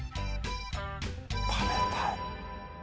食べたい。